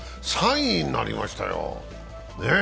３位になりましたよ。